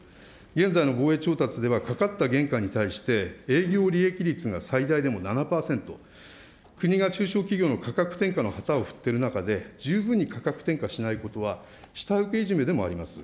現在の防衛調達では、かかった原価に対して営業利益率が最大でも７％、国が中小企業の価格転嫁の旗を振っている中で、十分に価格転嫁しないことは、下請けいじめでもあります。